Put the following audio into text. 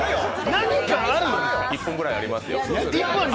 １分ぐらいありますよ。